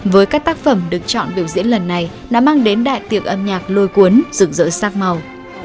với các tác phẩm được chọn biểu diễn lần này đã mang đến đại tiệc âm nhạc lôi cuốn rực rỡ sắc màu